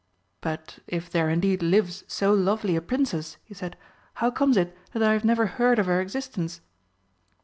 "But if there indeed lives so lovely a Princess," he said, "how comes it that I have never heard of her existence?"